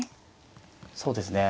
そうですね。